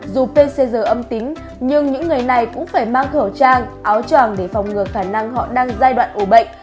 dù pcr âm tính nhưng những người này cũng phải mang khẩu trang áo tràng để phòng ngừa khả năng họ đang giai đoạn ủ bệnh